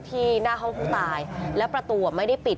ที่หน้าห้องผู้ตายและประตูไม่ได้ปิด